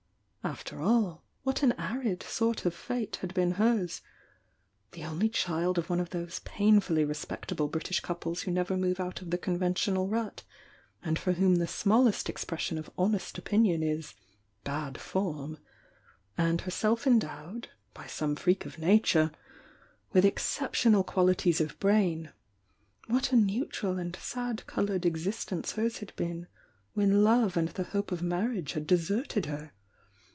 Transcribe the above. After all, what an arid sort of fate had been hers! The only child of one of those painfully respectable British couples who never move out o.' the conven tional rut, and for whom the smallest expression o* honest opinion is "bad form," — and herself endowed (by somo freak of Nature) with exceptional qual ities of brain, what a neutral and sad coloured exist ence hers had been when love and the hope of mar riage had deserted her!